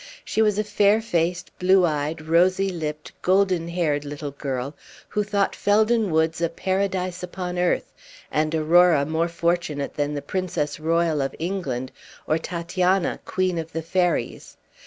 She was a fair faced, blue eyed, rosy lipped, golden haired little girl, who thought Felden Woods a paradise upon earth, and Aurora more fortunate than the Princess Royal of England, or Titania, Queen of the Fairies.